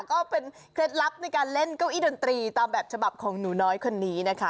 เคล็ดลับในการเล่นเก้าอี้ดนตรีตามแบบฉบับของหนูน้อยคนนี้นะคะ